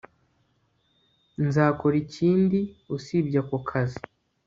nzakora ikindi usibye ako kazi